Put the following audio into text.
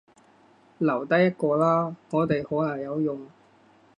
留低一個啦，我哋可能有用